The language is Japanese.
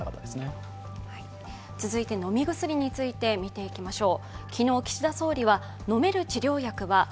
続いて飲み薬についてみていきましょう。